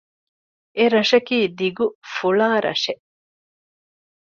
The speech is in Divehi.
އެރަށަކީ ދިގު ފުޅާ ރަށެއް